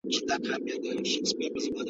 د پخلي پر مهال لاسونه پریمنځئ.